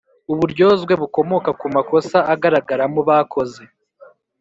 uburyozwe bukomoka ku makosa agaragaramo bakoze